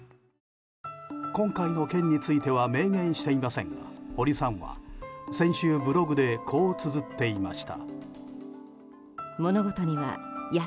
今回の件については明言していませんが堀さんは、先週ブログでこうつづっていました。